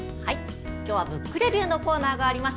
今日は「ブックレビュー」のコーナーがあります。